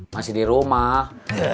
masih di rumah